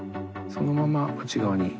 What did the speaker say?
そのまま内側に。